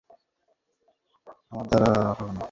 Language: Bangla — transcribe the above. -ও সাদা কাগজে সই করা আমার দ্বারা হবে না, বৌদি!